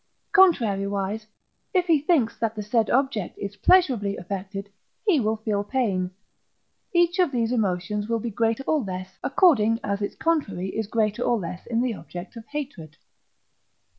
Contrariwise, if he thinks that the said object is pleasurably affected, he will feel pain. Each of these emotions will be greater or less, according as its contrary is greater or less in the object of hatred.